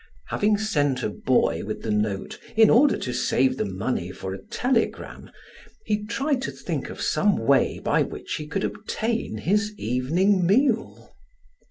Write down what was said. Having sent a boy with the note in order to save the money for a telegram, he tried to think of some way by which he could obtain his evening meal.